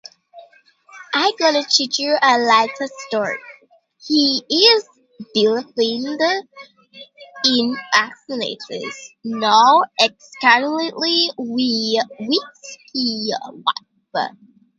He is buried in Arlington National Cemetery with his wife.